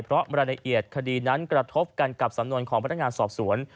เพราะรายละเอียดคดีนั้นกระทบกันกับสำนวนของพนักงานสอบสวน